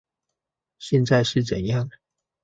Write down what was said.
現在是怎樣